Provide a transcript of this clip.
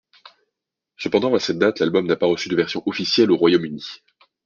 Cependant, à cette date, l'album n'a pas reçu de version officielle au Royaume-Uni.